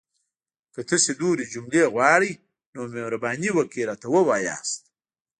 که تاسو نورې جملې غواړئ، نو مهرباني وکړئ راته ووایئ!